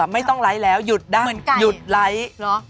ไม่ต้องไลฟ์แล้วดังเถอะอยุดดังหยุดไลฟ์